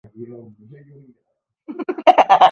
دیکھنے میں کوزے کے نچلے حصے کی طرح لگتا تھا